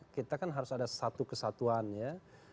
kita kan harus ada satu kesatuan ya